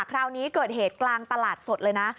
คราวนี้เกิดเหตุกลางตลาดสดเลยนะ